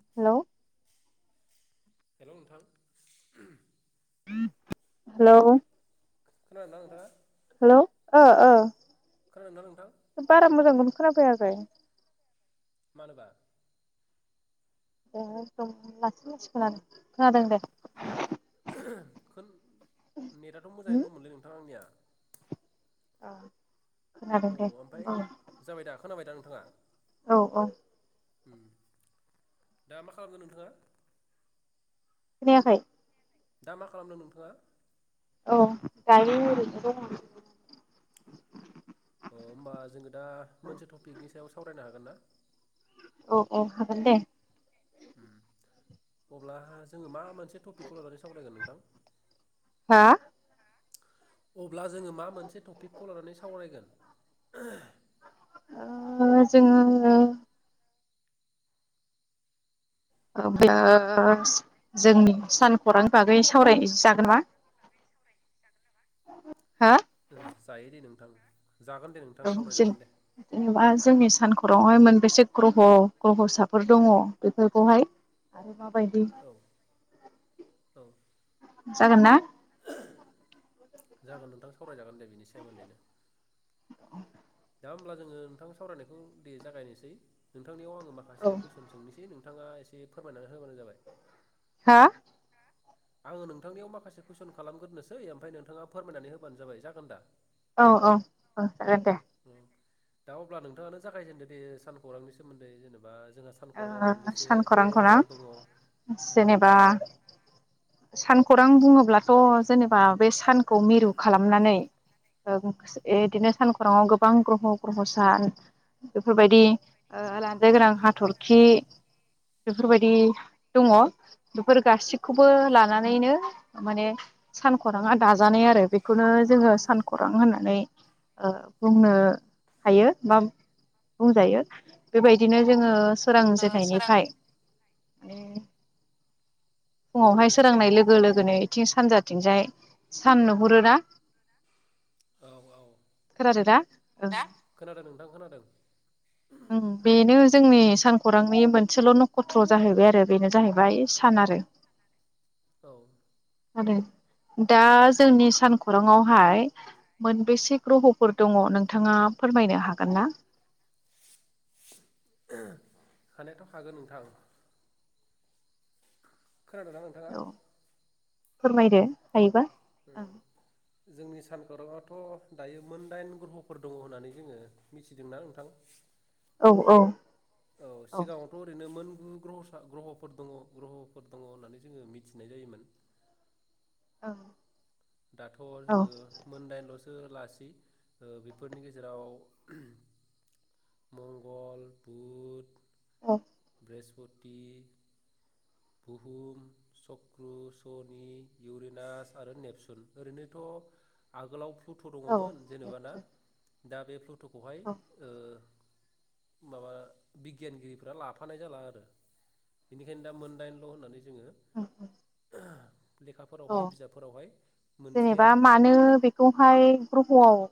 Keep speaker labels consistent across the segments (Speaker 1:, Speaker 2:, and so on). Speaker 1: Hello
Speaker 2: hello नोंथां।
Speaker 1: Hello
Speaker 2: खोनादोंना नोंथाङा?
Speaker 1: हेल' ओ ओ।
Speaker 2: खोनादोंना नोंथां
Speaker 1: बारा मोजां [unintelligible] खोनाफैयाखै।
Speaker 2: मानोबा?
Speaker 1: एखदम लासै लासै खोनादों खोनादों दे।
Speaker 2: खोन नेटआथ'
Speaker 1: उम
Speaker 2: मोजाङैनो दंमोनलै नोंथां आंनिया।
Speaker 1: औ खोनादों दे [inaudible]
Speaker 2: खोनाबायदा नोंथाङा?
Speaker 1: औ औ।
Speaker 2: ओम दा मा खालामदों नोंथाङा?
Speaker 1: खोनायाखै।
Speaker 2: दा मा खालामदों नोंथाङा?
Speaker 1: औ दायो ओरैनो दङ [inaudible]
Speaker 2: अ होमबा जोङो दा मोनसे टपिकनि सायाव सावरायनो हा गोन ना?
Speaker 1: औ अ हागोन दे।
Speaker 2: ओम अब्ला जोङो मामोन मोनसे टपिखखौ लानानै सावरायगोन नोंथां?
Speaker 1: हा?
Speaker 2: अब्ला जोङो मा मोनसे टपिकखौ लानानै सावरायगोन?
Speaker 1: ओ जोङो [unintelligible] जोंनि सान खौरांनि बागै सावरायसै जागोन मा हो?
Speaker 2: जायो दे नोंथां। जागोन दे नोंथां
Speaker 1: औ जों
Speaker 2: सावरायजागोन दे
Speaker 1: [unintelligible] जोंनि सानखराङावहाय मोनबेसे ग्रह' ग्रह'साफोर दङ बेफोरखौहाय आरो मा बायदि
Speaker 2: औ औ
Speaker 1: जागोन ना?
Speaker 2: जागोन नोंथां सावरायजागोन दे बिनि सोमोन्दैनो। दा होमब्ला जोङो नोंथां सावरायनायखौ दे जागायनोसै नों थांनियाव आङो
Speaker 1: औ
Speaker 2: माखासेु कुइसन सोंनोसै नों थाङा एसे फोरमायनानै होबानो जाबाय।
Speaker 1: हा?
Speaker 2: आङो नोंथांनियाव माखासे कुइसन खालामग्रोनोसै ओमफ्राय नोंथाङा फोरमायनानै होबानो जाबाय, जागोन दा?
Speaker 1: औ औ औ जागोन दे।
Speaker 2: उम दा अब्ला नोंथाङानो जागायजेनदो दे सान खौरांनि सोमोन्दै जेनेबा जोंहा सानखौराङाव मोनबेसे
Speaker 1: सानखरांखौ ना?
Speaker 2: ग्रहफोर दङ औ
Speaker 1: जेनेबा सानखौरां बुङोब्लाथ' जेनेबा बे सान खौ मिरु खालामनानै ओ बिदिनो सानखराङाव गोबां ग्रह' ग्रहसा, बेफोरबायदि लानजाइ गोनां हाथर खि बेफोरबायदि दङ बेफोर गासिखौबो लानानैनो माने सानखराङा दाजानाय आरो बेखौनो जोङो सानखरां होननानै ओ बुंनो हायो बा बुंजायो। बेबायदिनो जोङो सोरांजेननायनिफ्राय फुङावहाय सोरांनाय लोगो लोगोनो इथिं सानजाथिंजाय सान नुहुरोना
Speaker 2: औ
Speaker 1: खोनादों ना? ओ
Speaker 2: खोनादों नोंथां खोनादों
Speaker 1: उ बेनो जोंनि सान खौरांनि मोनसेल' नखत्र' जाहैबाय आरो बेनो जाहैबाय सान आरो।
Speaker 2: औ।
Speaker 1: आरो दा जोंनि सानखराङावहाय मोनबेसे ग्रहफोर दङ नोंथाङा फोरमायनो हागोन ना?
Speaker 2: हानायाथ' हागोन नोंथां। खोनादोंना नोंथाङा?
Speaker 1: औ फोरमायदो। हायोबा।
Speaker 2: जोंनि सान खौराङावथ' दायो मोन दाइन ग्रह'फोर दङ होननानै जोङो मिथिदोंना नोंथां।
Speaker 1: औ
Speaker 2: औ सिगाङावथ' ओरैनो मोन ग्रहसा ग्रह'फोर दङ ग्रह'फोर दङ होननानै जोङो मिथिनाय जायोमोन।
Speaker 1: ओं।
Speaker 2: दाथ' जोङो मोनडाइनल'सो सो लासि ओ बेफोरनि गेजेराव मंगल, बुध
Speaker 1: औ।
Speaker 2: ब्रिहस्पति बुहुम, चक्रु सनि इउरिनास आरो नेपसुन ओरैनोथ' आगोलाव फ्लुट' दङमोन जेनेबा ना दा बे फ्लुट' खौहाय ओ माबा बिगियानगिरिफ्रा लाफानाय जाला आरो बेनिखायनो दा मोन डाइन ल' होननानै जोङो
Speaker 1: ओ
Speaker 2: लेखाफोरावहाय बिजाबफोरावहाय मोनसै
Speaker 1: जेनेबा
Speaker 2: आरो
Speaker 1: मानो बेखौहाय ग्रह आव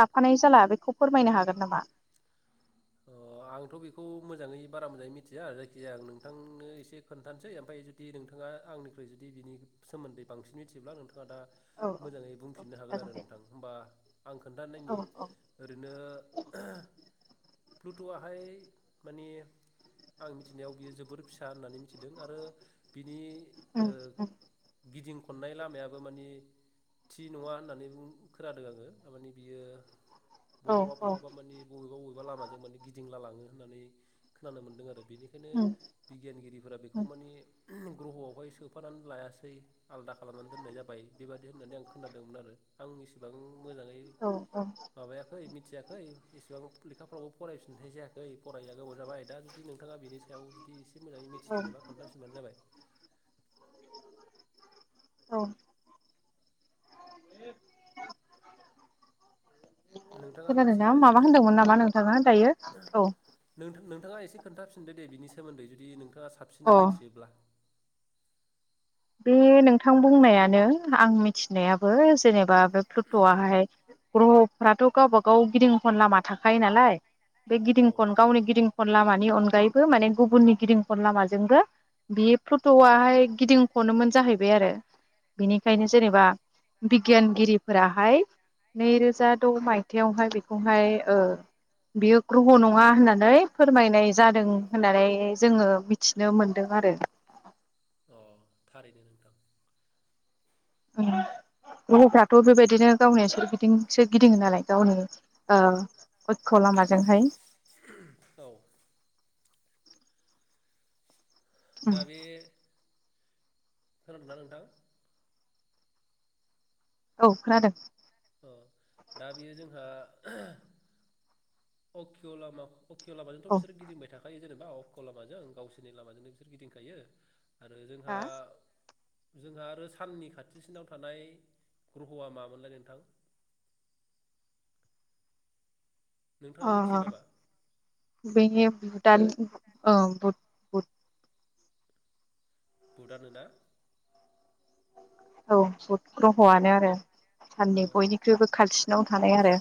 Speaker 1: लाफानाय जाला बेखौ फोरमायनो हागोन नामा
Speaker 2: अ आंथ' बेखौ मोजाङै बारा मोजाङै मिथिया आरो जायखिजाया आं नोंथांनो एसे खोन्थानोसै ओमफ्राय जुदि नोंथाङा आंनिख्रुइ जुदिनि सोमोन्दै बांसिन मिथियोब्ला नोंथां आ दा
Speaker 1: औ
Speaker 2: मोजाङै
Speaker 1: औ
Speaker 2: बुंफिननो हागोन
Speaker 1: जागोन
Speaker 2: आरो
Speaker 1: दे
Speaker 2: नोंथां होमबा आं खोन्थानायनि
Speaker 1: औ औ
Speaker 2: ओरैनो फ्लुट'आहाय माने आं मिथिनायाव बियो जोबोर फिसा होननानै मिथिदों आरो बिनि
Speaker 1: उम
Speaker 2: ओ
Speaker 1: उम
Speaker 2: गिदिं खननाय लामायाबो मानि थि नङा होननानै बुं खोनादों आङो थारमानि बियो
Speaker 1: औ
Speaker 2: बहाबा
Speaker 1: औ
Speaker 2: बहाबा मानि बबेबा बबेबा [unintelligible] लामा जों माने गिदिंला लाङो होननानै खोनानो मोनदों आरो बेनिखायनो
Speaker 1: उम
Speaker 2: बिगियानगिरिफोरा बेखौ
Speaker 1: उम
Speaker 2: मानि ग्रहआवहाय सोफानानै लायासै आलदा खालामनानै दोननाय जाबाय बेबादि होननानै आं खोनादोंमोन आरो आं एसेबां मोजाङै
Speaker 1: औ
Speaker 2: माबायाखै मिथियाखै एसेबां लेखाफ्राव फरायफिननाय जायाखै फरायैया गोबाव जाबाय दा जुदि नोंथाङा बिनि सायाव जुदि से मोजाङै
Speaker 1: औ
Speaker 2: मिथिफिनोबा खोनथाफिनबानो जाबाय
Speaker 1: औ [unintelligible]
Speaker 2: नोंथाङा
Speaker 1: खोनादोंना
Speaker 2: मिथियोबा एसे
Speaker 1: माबा होनदोंमोन नामा नोंथाङा दायो औ
Speaker 2: नोंथाङा एसे खोनथाफिनदो दे बेनि सोमोन्दै जुदि नों थाङा साबसिनै
Speaker 1: अ
Speaker 2: मिथियोब्ला
Speaker 1: बे नोंथां बुंनायानो आं मिथिनायाबो जेनेबा बे प्लुटआहाय ग्रहफ्राथ गावब गाव गिदिं खन लामा थाखायो नालाय बे
Speaker 2: औ
Speaker 1: गिदिंखन गावनि गिदिं खन लामानि अनगायैबो माने गुबुननि गिदिं खन लामाजोंबो बि प्लुतआहाय गिदिं खनोमोन जाहैबाय आरो बिनिखायनो जेनेबा बिगियानगिरिफोराहाय नै रोजा द मायथायावहाय बेखौहाय ओ बियो ग्रह नङा होननानै फोरमायनाय जादों होननानै जोङो मिथिनो मोनदों आरो
Speaker 2: दे नोंथां
Speaker 1: ग्रहफ्राथ बेबायदिनो गावनि सोरगिदिंसो गिदिङो नालाय गावनि ओ अक्ष्य लामाजोंहाय
Speaker 2: औ
Speaker 1: उम
Speaker 2: दा बे खोनादों ना नोंथां?
Speaker 1: औ खोनादों।
Speaker 2: अ दा बेयो जोंहा अक्ष लामा अक्ष लामाजोंथ
Speaker 1: औ
Speaker 2: बिसोर गिदिंबाय थाखायो जेनेबा अक्ष लामाजों गावसोरनि लामाजोंनो बिसोर गिदिंखायो। आरो जोंहा। जोंहा आरो साननि खाथिसिनाव थानाय ग्रहआ मामोनलाय नोंथां? नोंथाङा मिथियो नामा?
Speaker 1: बे भुटान बुध औ बुध बुध।
Speaker 2: बुधानो ना?
Speaker 1: औ बुध। ग्रहआनो आरो
Speaker 2: औ
Speaker 1: साननि बयनिख्रुइबो खाथिसिनाव थानाय आरो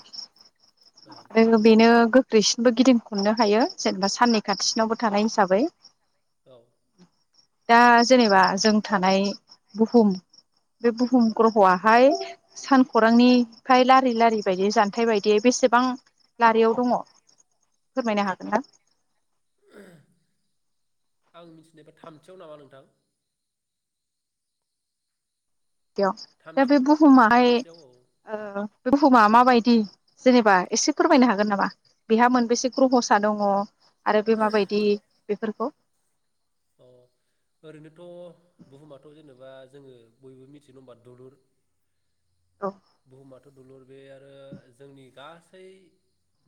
Speaker 1: आरो बेनो। दैसिनबो गिदिं खननो हायो जेनेबा साननै खाथिसिनावबो थानाय हिसाबै।
Speaker 2: औ
Speaker 1: दा जेनेबा जों थानाय बुहुम बे बुहुम ग्रह'आहाय सानखरांनिफ्राय ला लारि लारि बायदि जान्थायाइ बायदि बेसेबां लारियाव दङ फोरमायनो हागोन ना?
Speaker 2: आं मिथिनायब थामथियाव नामा नोंथां?
Speaker 1: याव दा बे
Speaker 2: थामथियाव
Speaker 1: बुहुमाहाय
Speaker 2: थामथियाव औ
Speaker 1: ओ-बुहुमा माबायद ओम जेनेबा एसे फोरमायनो हागोन नामा? बेहा मोनबैसे ग्रहसा दं? आरो बे माबायदि बेफोरखौ।
Speaker 2: अ ओरैनोथ' बुहुमाथ' जेनेबा जोङो बयबो मिथिनो [unintelligible] दलुर
Speaker 1: औ
Speaker 2: बुहुमाथ' दुलुर बे आरो जोंनि गासै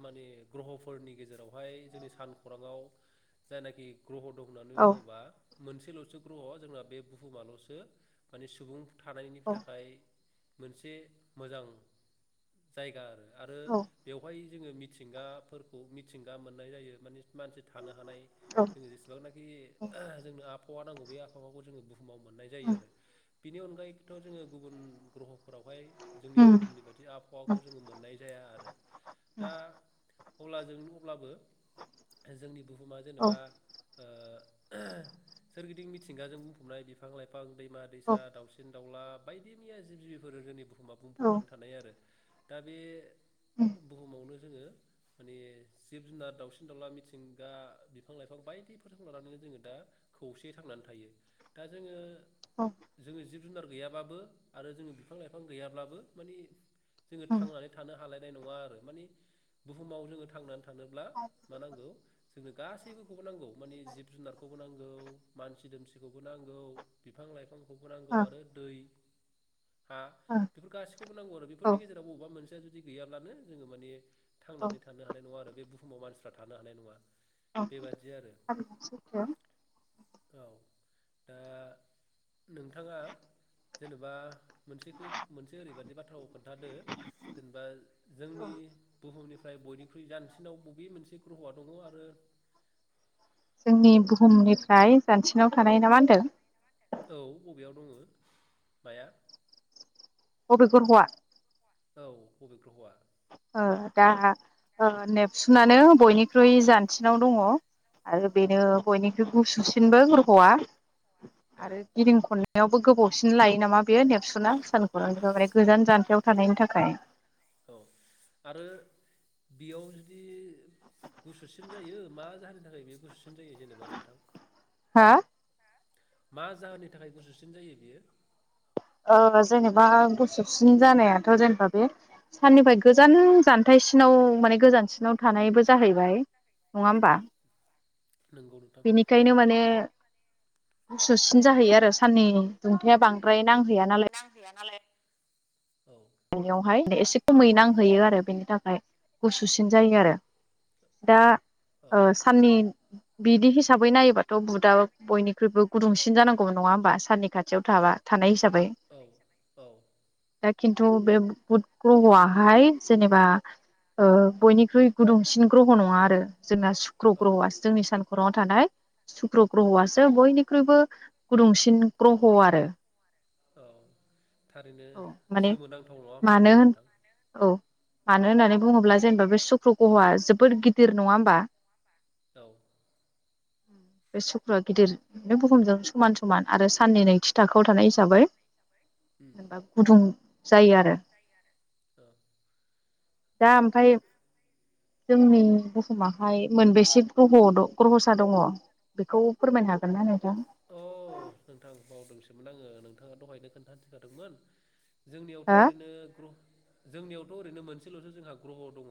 Speaker 2: माने ग्रहफोरनि गेजेरावहाय जोंनि सानखराङाव जायनाखि। ग्रह' दं होननानै
Speaker 1: औ
Speaker 2: बुङोबा। मोनसेल'सो ग्रह' जोंना बे बुहुमाल'सो माने सुबुं। थानायनि
Speaker 1: औ
Speaker 2: थाखाय। मोनसे मोजां जायगा आरो। आरो
Speaker 1: औ
Speaker 2: बेवहाय जोङो मिथिंगाफोरखौ मिथिंगा मोननाय जायो माने। मानसि थानो हानाय
Speaker 1: औ
Speaker 2: जों जेसेबांनाखि जोंनो। आहावा नांगौ बे आफावाखौ जोङो बु बुहुमाव मोननाय जायो
Speaker 1: उम
Speaker 2: आरो। बिनि अनगायैथ' जोङो गुबुन ग्रह'फोरावहाय। जोंनि
Speaker 1: उम
Speaker 2: बुहुमनि बाददि आबहावाखौ जोङो मोननाय जाया आरो
Speaker 1: उम
Speaker 2: दा। अब्ला जों अब्लाबो जोंनि बुहुमा
Speaker 1: औ
Speaker 2: जेनबा ओ सोरगिदिं मिथिंगाजों बुंफबनाय बिफां लाइफां दै मा
Speaker 1: औ
Speaker 2: दैसा दाउसिन दावला बायदि मैया जिब जिबिफोर जोंनि बु
Speaker 1: औ
Speaker 2: बुंफबनानै थानाय आरो। दा बे
Speaker 1: उम
Speaker 2: बुहुमावनो जोङो माने जिब जुनार दाउसिन दाउला मिथिंगा बिफां लाइफां बायदिफोरखौ लानानैनो जोङो दा खौसेयै थांनानै थायो। दा जोङो
Speaker 1: औ
Speaker 2: जोंङो जिब जुनार गैयाबाबो आरो जोङो बिफां लाइफां गैयाब्ला बो मानि जोङो
Speaker 1: उम
Speaker 2: थांनानै थानो हालाय नुवा आरो माने बुहुमाव थांना थानोब्ला मा नांगौ जोंनो गासैखौबो नांगौ मानि जिब जुनारखौबो नांगौ मानसि दुमसिखौबो नांगौ बिफां लाइफां नांगौ
Speaker 1: ओ
Speaker 2: आरो दै हा? बेफोर गासैखौबो नांगौ आरो
Speaker 1: ओ
Speaker 2: बेफोरनि गेजेराव बबेबा मोनसे जु दि गैयाब्लानो जोङो माने
Speaker 1: औ
Speaker 2: थांनानै थानो हानाय नङा आरो। बे बुहुमाव मानसिफ्रा थानो हानाय नङा।
Speaker 1: औ
Speaker 2: बेबादि आरो
Speaker 1: थारैनो सैथो।
Speaker 2: औ दा नोंथाङा जेनेबा मोनसेखौ मोनसे ओरैबायदि बाथ्राखौ खोनथादो जेनेबा जोंनि बुहुमनि ओमफ्राय बयनिख्रुइ जानसिनाव बबे मोनसे ग्रह'आ दङ आरो
Speaker 1: जोंनि बुहुमनिफ्राय जानसिनाव थानाय ना मा होनदों?
Speaker 2: औ बबेयाव दङ माया?
Speaker 1: बबे ग्रह'आ?
Speaker 2: औ बबे ग्रहआ?
Speaker 1: दा ओ नेबसुनानो बयनिख्रुइ जानसिनाव दङ आरो बेनो बयनिख्रुइ गुसुसिनबो गह'आ।
Speaker 2: औ
Speaker 1: आरो गिदिं खन नायावबो गोबावसिन लायो नामा बेयो नेपसुना? सानखरांनिफ्राय माने गोजान जानथायाव थानायनि थाखाय।
Speaker 2: औ आरो बेयाव जुदि गुसुसिन जायो मा जाहोननि थाखाय बेयो गुसुसिन जायो जेनेबा नोंथां?
Speaker 1: हा
Speaker 2: मा जाहोननि थाखाय गुसुसिन जायो बियो?
Speaker 1: ओ जेनेबा गुसुबसिन जानायाथ' जेनेबा बे साननिफ्राय गोजान जानथायाइसिनाव माने गोजानसिनाव थानायबो जाहैबाय नङा होमबा?
Speaker 2: नोंगौ नोंथां
Speaker 1: बेनिखायनो माने। गुसुसिन जाहैयो आरो साननि दुंथाया बांद्राय। नांहैया नालाय
Speaker 2: नांहैया नालाय। औ
Speaker 1: गायनायावहाय एसे खमै नांहैयो आरो बेनि थाखाय गुसुसिन जायो आरो। दा ओ
Speaker 2: औ
Speaker 1: साननि बिदि हिसाबै नायोबाथ' बुधआ बयनिख्रुइबो गुुदुंसिन जानांगौबो नङा होमबा साननि खाथियाव थाबा थानाय हिस जाबाय
Speaker 2: औ औ
Speaker 1: थ' बे बुद ग्रह'आ बहाय जेनेबा बयनिख्रुइ गुदुंसिन ग्रह' नङा आरो जोंना सुक्र'
Speaker 2: औ
Speaker 1: ग्रह'आ जोंनि सान खर'याव थानाय सुक्र ग्रह'आसो बयनिख्रुइबो गुदुंसिन ग्रह' आरो
Speaker 2: औ थारैनो
Speaker 1: औ माने
Speaker 2: सोमोनांथाव नङा होमबा
Speaker 1: मानो
Speaker 2: बेयो
Speaker 1: होन
Speaker 2: नोंथां?
Speaker 1: औ मानो होननानै बुङोब्ला जेनेबा बे सुक्र ग्रह'आ जोबोद गिदिर नङा होमबा?
Speaker 2: औ
Speaker 1: बे सुक्रुआ गिदिर बुहुमजों समान समान आरो साननै नैथि थाखोआव थानाय हिसाबै
Speaker 2: उम
Speaker 1: जेनेबा गुदुं जायो आरो।
Speaker 2: औ
Speaker 1: दा ओमफफ्राय जोंनि बुहुमाहाय मोनबेसे ग्रह' ग्रह'सा दङ बेखौ फोरमायनो हागोन ना नोंथां?
Speaker 2: अ नोंथां बावदोंसोमोन आङो नोंथाङा दहायनो खोन्थानोथिनखादोंमोन। जोंनियावथ'
Speaker 1: हो
Speaker 2: ओरैनो ग्रु जोंनियावथ' ओरैनो मोनसेल'सो जोंहा ग्रह' दङ।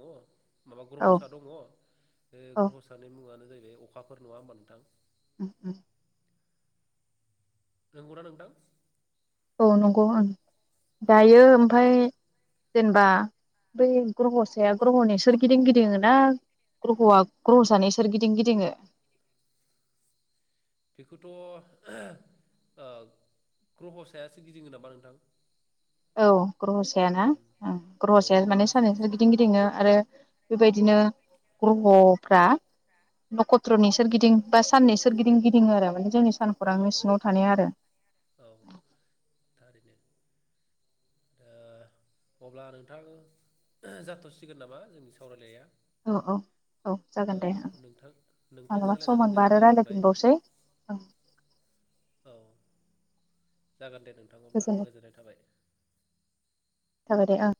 Speaker 2: माबा
Speaker 1: औ
Speaker 2: ग्रह'सा दङ बे
Speaker 1: औ
Speaker 2: ग्रहसानि मुंङानो जाहै बे अखाफोर नङा होमबा नोंथां
Speaker 1: उम उम
Speaker 2: नंगौ ना नोंथां?
Speaker 1: औ नंगौं उम
Speaker 2: औ
Speaker 1: दायो ओमफ्राय जेनेबा बै ग्रह' साया ग्रह'नि सोर गिदिं गिदिं ना ग्रह'आ ग्रह' जानो सोर गिदिं गिदिङो।
Speaker 2: बेखौथ' ओ ग्रहसायासो गिदिंगोन नामा नोंथां?
Speaker 1: औ ग्रह' सायाना ओं ग्रह'
Speaker 2: औ
Speaker 1: साया माने सानैसोर
Speaker 2: ग्रह'सायासो
Speaker 1: गिदिं गिदिङो आरो। बेबायदिनो ग्रहफ्रा नखत्रनि सोरगिदिं बा साननि सोर गिदिं गिदिङो आरो माने जोंनि
Speaker 2: औ
Speaker 1: सानखौरांनि
Speaker 2: औ
Speaker 1: सिङाव थानाय आरो
Speaker 2: औ थारै ओ अब्ला नोंथां जाथ'सिगोन नामा जोंनि सावरायनाया
Speaker 1: औ औ औ जागोन दे
Speaker 2: नोंथां नोंथांजों
Speaker 1: मालाबा सम
Speaker 2: रायलायनानै
Speaker 1: मोनबा आरो
Speaker 2: गोजोननाय मोनबाय
Speaker 1: रायज्लायनायफिनबावसै ओं
Speaker 2: औ जागोन दे नोंथां अब्ला गोजोननाय थाबाय
Speaker 1: थाबाय दे ओं